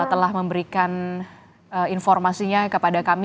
telah memberikan informasinya kepada kami